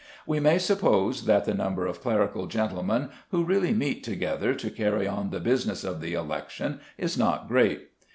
We may suppose that the number of clerical gentlemen who really meet together to carry on the business of the election is not great.